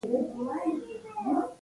يوه کيسه به درته وکړم.